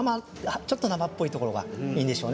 ちょっと生っぽいところがいいんでしょうね。